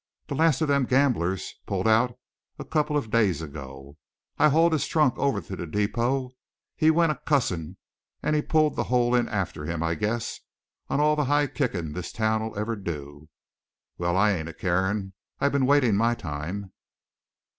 The last of them gamblers pulled out a couple of days ago, I hauled his trunk over to the depot. He went a cussin', and he pulled the hole in after him, I guess, on all the high kickin' this town'll ever do. Well, I ain't a carin'; I've been waitin' my time."